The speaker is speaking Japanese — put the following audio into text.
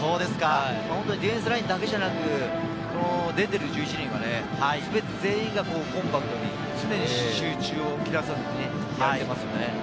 ディフェンスラインだけではなく、出てる１１人が、全員がコンパクトに、常に集中を切らさずにやっていますよね。